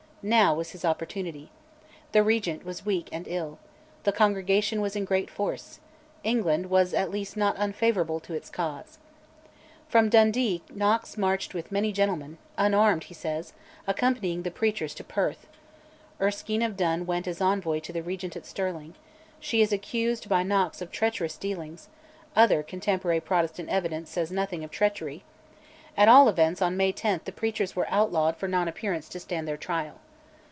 Now was his opportunity: the Regent was weak and ill; the Congregation was in great force; England was at least not unfavourable to its cause. From Dundee Knox marched with many gentlemen unarmed, he says accompanying the preachers to Perth: Erskine of Dun went as an envoy to the Regent at Stirling; she is accused by Knox of treacherous dealing (other contemporary Protestant evidence says nothing of treachery); at all events, on May 10 the preachers were outlawed for non appearance to stand their trial.